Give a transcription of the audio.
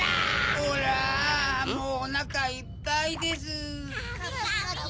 ・ホラもうおなかいっぱいです・かび